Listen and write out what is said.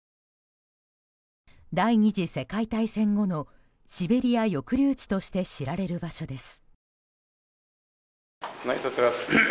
第２次世界大戦後のシベリア抑留地として知られる場所です。